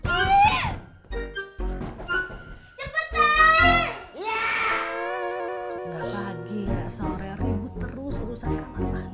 enggak lagi enggak sore ribut terus rusak kamar mandi